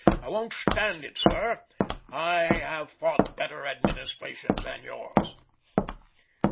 I won't stand it, sir. I have fought better administrations than yours."